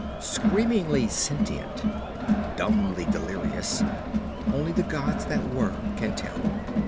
Screamingly sentient, dumbly delirious, only the gods that were can tell.